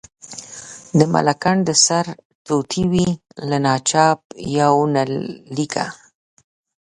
د ملکنډ د سرتوتي وی، له ناچاپ یونلیکه.